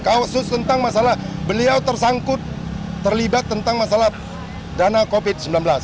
kasus tentang masalah beliau tersangkut terlibat tentang masalah dana covid sembilan belas